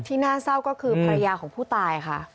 น่าเศร้าก็คือภรรยาของผู้ตายค่ะ